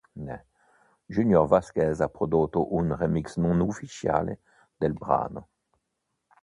Junior Vasquez ha prodotto un remix non ufficiale del brano.